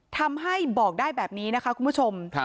ทำให้บอกได้แบบนี้นะคะคุณผู้ชม